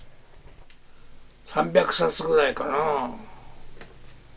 ３００冊ぐらいかなあ。